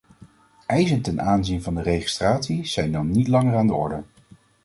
Eisen ten aanzien van de registratie zijn dan niet langer aan de orde.